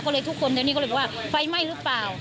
ก็เลยทุกคนแถวนี้ก็เลยบอกว่าไฟไหม้หรือเปล่า